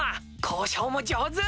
交渉も上手！